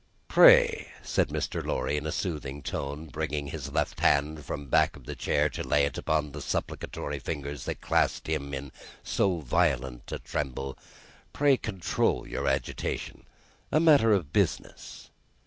"Pray," said Mr. Lorry, in a soothing tone, bringing his left hand from the back of the chair to lay it on the supplicatory fingers that clasped him in so violent a tremble: "pray control your agitation a matter of business.